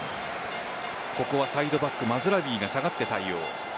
ここはサイドバックマズラウィが下がって対応。